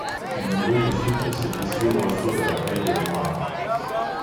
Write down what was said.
Il mourut des suites de ses blessures reçues à la bataille de Moys.